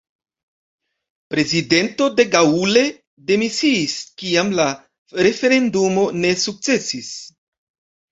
Prezidento de Gaulle demisiis kiam la referendumo ne sukcesis.